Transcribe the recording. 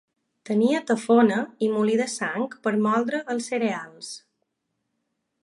Tenia tafona i molí de sang per moldre els cereals.